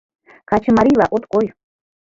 Качымарийла от кой.